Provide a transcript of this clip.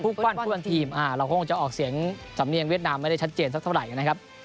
ปั้นเพื่อนทีมเราคงจะออกเสียงสำเนียงเวียดนามไม่ได้ชัดเจนสักเท่าไหร่นะครับ